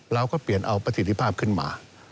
เราก็เปลี่ยนเอาประสิทธิภาพขึ้นมา